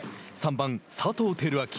３番佐藤輝明。